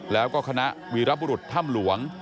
แล้วก็คณะวีรบุรุษถ้ำหลวง